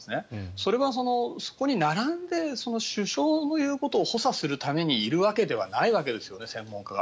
それは、そこに並んで首相の言うことを補佐するためにいるわけではないわけですよね、専門家が。